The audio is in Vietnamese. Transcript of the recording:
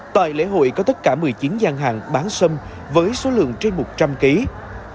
tại lễ hội có tất cả một mươi chín gian hàng bán sâm với số lượng trên một trăm linh kg